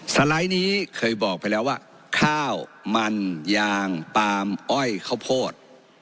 สไลด์นี้เคยบอกไปแล้วว่าข้าวมันยางปาล์มอ้อยข้าวโพด